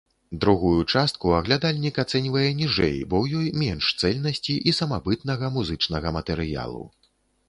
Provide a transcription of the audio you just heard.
Другую частку аглядальнік ацэньвае ніжэй, бо ў ёй менш цэльнасці і самабытнага музычнага матэрыялу.